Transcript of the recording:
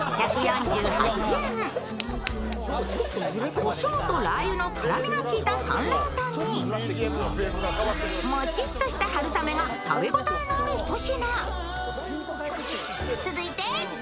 コショウと辣油の絡みが効いたサンラータンにもちっとした春雨が食べ応えるあのひと品。